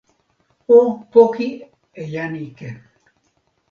o poki e jan ike.